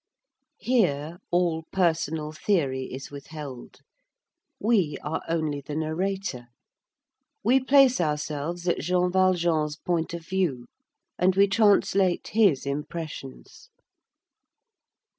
Here all personal theory is withheld; we are only the narrator; we place ourselves at Jean Valjean's point of view, and we translate his impressions.